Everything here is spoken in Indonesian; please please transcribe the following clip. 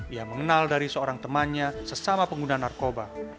ia mengenal dari seorang temannya sesama pengguna narkoba